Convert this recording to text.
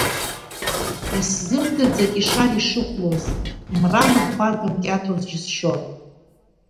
Исзымдырӡеит ишар ишыхәлоз, мра мырхәага мкьаҭоз џьысшьон.